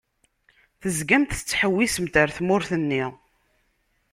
Tezgamt tettḥewwisemt ar tmurt-nni.